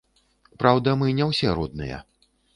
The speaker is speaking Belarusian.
Праўда, мы не ўсе родныя.